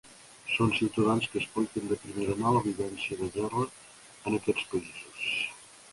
Són ciutadans que expliquen de primera mà la vivència de la guerra en aquests països.